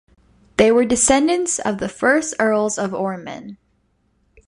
They were descendants of the first Earls of Ormond.